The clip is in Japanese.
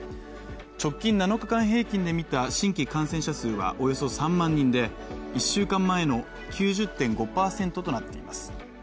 直近７日間平均でみた新規感染者数はおよそ３万人で、１週間前の９０．５％となっています。